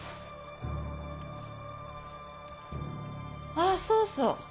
ああそうそう。